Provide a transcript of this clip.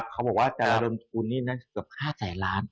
เขาบอกว่าจะเริ่มทุนนี้เกือบ๕๐๐๐๐๐ล้าน